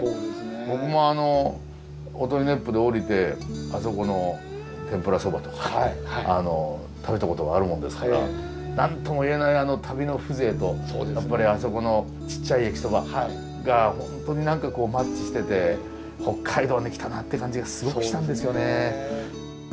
僕もあの音威子府で降りてあそこの天ぷらそばとか食べたことがあるもんですから何とも言えないあの旅の風情とやっぱりあそこのちっちゃい駅そばがホントに何かこうマッチしてて北海道に来たなって感じがすごくしたんですよね。